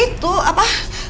eeeh itu apa